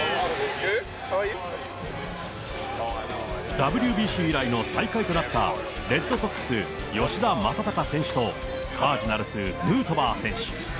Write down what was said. ＷＢＣ以来の再会となった、レッドソックス、吉田正尚選手とカージナルス、ヌートバー選手。